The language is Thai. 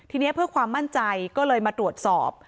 ทีนี้เพื่อความมั่นใจก็เลยมาตรวจสอบ